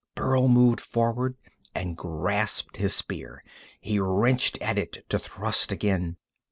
Burl moved forward and grasped his spear. He wrenched at it to thrust again.